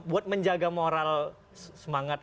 buat menjaga moral semangat